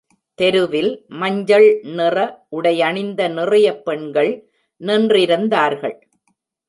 தெருவில் மஞ்சள் நிற உடையணிந்த நிறைய பெண்கள் நின்றிருந்தார்கள்.